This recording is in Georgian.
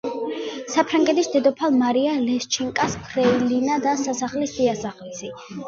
საფრანგეთის დედოფალ მარია ლეშჩინსკას ფრეილინა და სასახლის დიასახლისი.